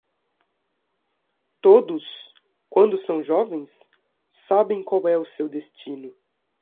Todos? quando são jovens? sabem qual é o seu destino.